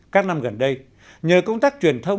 các năm gần đây nhờ công tác truyền thông